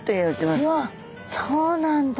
わっそうなんだ。